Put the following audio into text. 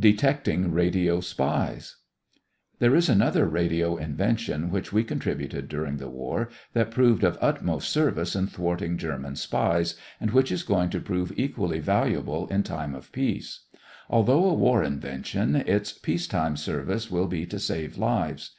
DETECTING RADIO SPIES There is another radio invention which we contributed during the war, that proved of utmost service in thwarting German spies and which is going to prove equally valuable in time of peace. Although a war invention, its peacetime service will be to save lives.